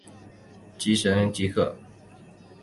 普卢吉恩。